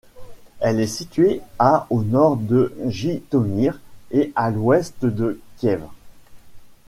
Elle est située à au nord de Jytomyr et à l'ouest de Kiev.